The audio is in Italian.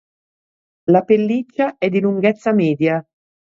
La pelliccia è di lunghezza media.